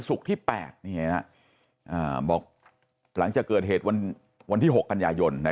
ศุกร์ที่๘นี้นะบอกหลังจะเกิดเหตุวันวันที่๖กันยายนต์นะ